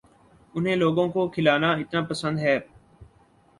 انھیں لوگوں کو کھلانا اتنا پسند ہے